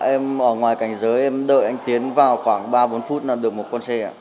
em ở ngoài cảnh giới em đợi anh tiến vào khoảng ba bốn phút là được một con xe ạ